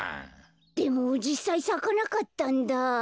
でもじっさいさかなかったんだ。